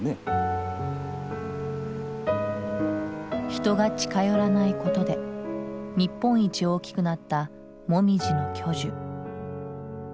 人が近寄らないことで日本一大きくなったモミジの巨樹。